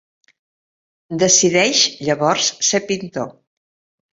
Decideix llavors ser pintor.